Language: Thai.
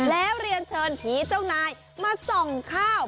แล้วเรียนเชิญผีเจ้านายมาส่องข้าว